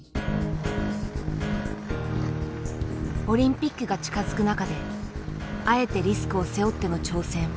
オリンピックが近づく中であえてリスクを背負っての挑戦。